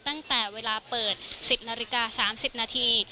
ตั้งแต่เวลาเปิด๑๐นาฬิกา๓๐นาที